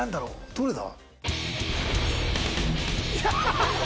どれだ？